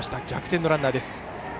逆転のランナーです。